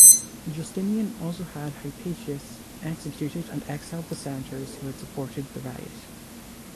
Justinian also had Hypatius executed and exiled the senators who had supported the riot.